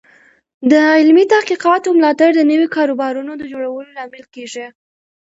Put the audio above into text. د علمي تحقیقاتو ملاتړ د نوي کاروبارونو د جوړولو لامل کیږي.